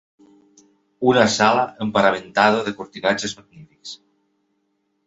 Una sala emparamentada de cortinatges magnífics.